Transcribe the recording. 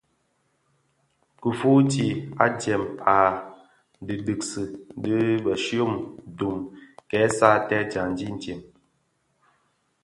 Kifuuti adyèm i dhidigsi di bishyom (dum) kè satèè djandi itsem.